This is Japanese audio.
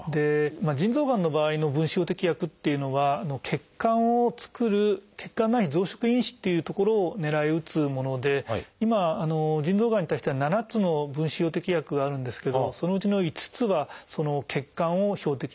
腎臓がんの場合の分子標的薬っていうのは血管を作る「血管内皮増殖因子」という所を狙い撃つもので今腎臓がんに対しては７つの分子標的薬があるんですけどそのうちの５つは血管を標的としたものです。